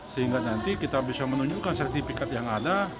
sehingga nanti kita bisa menunjukkan sertifikat yang ada